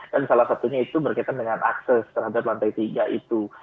dan salah satunya itu berkaitan dengan akses terhadap lantai tiga itu